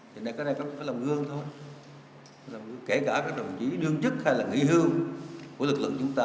thế nên cái này phải làm gương thôi kể cả các đồng chí đương chức hay là nghị hương của lực lượng chúng ta